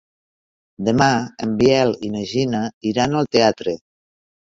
Demà en Biel i na Gina iran al teatre.